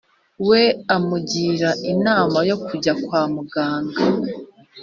we amugira inama yo kujya kwa muganga